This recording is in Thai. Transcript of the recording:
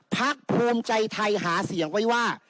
พักภูมิใจไทยหาเสียงไว้ว่า